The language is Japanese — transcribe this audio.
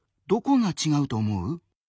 どこがちがうと思う？